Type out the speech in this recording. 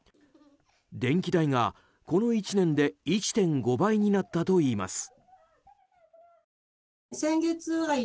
電気代がこの１年で１．５倍になったといいます。